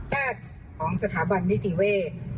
แพทย์ของสถาบันนิติเวศ